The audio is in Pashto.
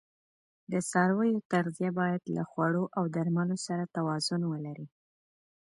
د څارویو تغذیه باید له خوړو او درملو سره توازون ولري.